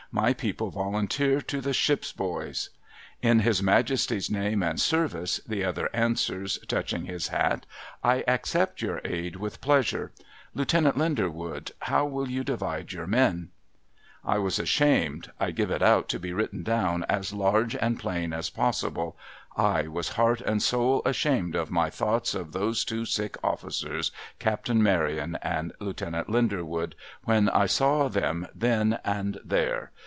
My people volunteer, to the ship's boys.' ' In His Majesty's name and service,' the other answers, touching his hat, ' I accept your aid with pleasure. • Lieutenant Linderwood, how will you divide your men ?' I was ashamed — I give it out to be written down as large and plain as possible — I was heart and soul ashamed of my thoughts of those two sick officers, Captain Maryon and Lieutenant Linderwood, when I saw them, then and there.